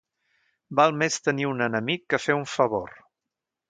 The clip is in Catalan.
Val més tenir un enemic que fer un favor.